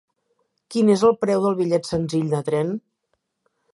Quin és el preu del bitllet senzill de tren?